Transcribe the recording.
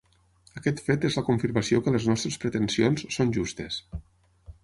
Aquest fet és la confirmació que les nostres pretensions són justes.